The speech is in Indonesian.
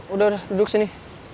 udah udah duduk sini